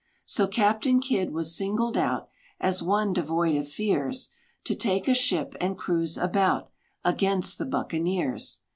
So Captain Kidd was singled out As one devoid of fears, To take a ship and cruise about Against the Bucaniers.